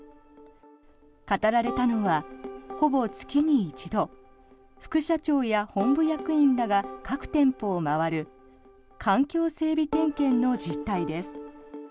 語られたのは、ほぼ月に一度副社長や本部役員らが各店舗を回る環境整備点検の実態です。